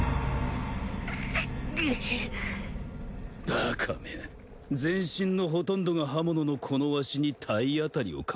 バカめ全身のほとんどが刃物のこのワシに体当たりをかますとは。